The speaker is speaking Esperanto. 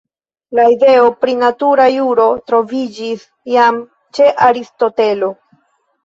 La ideo pri natura juro troviĝis jam ĉe Aristotelo.